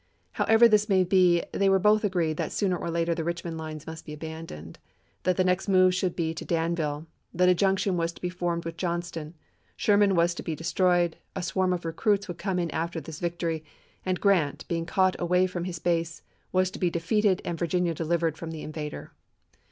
However this may be, they were both agreed that sooner or later the Richmond lines must be abandoned ; that the next move should be to Danville ; that a junction was to be formed with Johnston; Sherman was to be destroyed; a swarm of recruits would come in after this victory ; and Grant, being caught away from his base, was to be defeated and Virginia delivered from the invader.